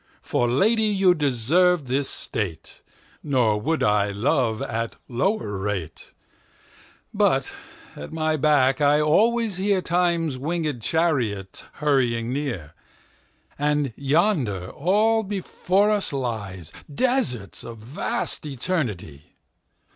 For Lady you deserve this State; Nor would I love at lower rate. But at my back I alwaies hearTimes winged Charriot hurrying near:And yonder all before us lyeDesarts of vast Eternity.